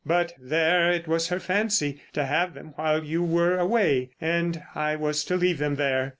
But, there, it was her fancy to have them while you were away, and I was to leave them there."